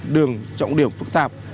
đường trọng điểm phức tạp